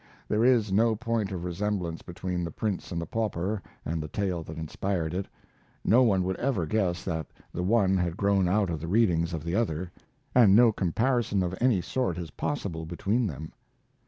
[There is no point of resemblance between the Prince and the Pauper and the tale that inspired it. No one would ever guess that the one had grown out of the readings of the other, and no comparison of any sort is possible between them.